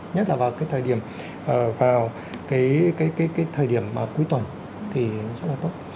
nhất là vào cái thời điểm cuối tuần thì rất là tốt